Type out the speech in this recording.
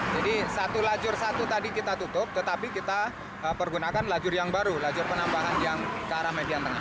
jadi satu lajur satu tadi kita tutup tetapi kita pergunakan lajur yang baru lajur penambahan yang ke arah median tengah